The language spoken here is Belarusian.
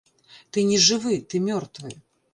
Ты не жывы, ты мёртвы.